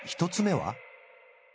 １つ目は？